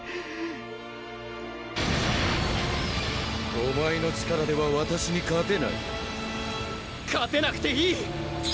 お前の力ではわたしに勝てない勝てなくていい！